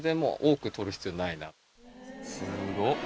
「すごっ」